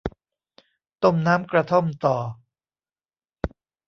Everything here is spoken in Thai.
ต้มน้ำกระท่อมต่อ